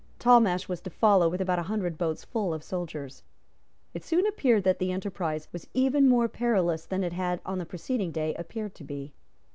Talmash was to follow with about a hundred boats full of soldiers. It soon appeared that the enterprise was even more perilous than it had on the preceding day appeared to be.